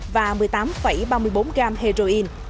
và một mươi tám ba mươi bốn gram heroin